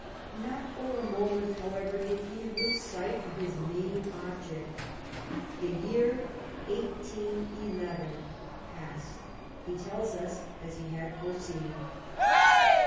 Not for a moment, however, did he lose sight of his main object. The year 1811 passed, he tells us, as he had foreseen.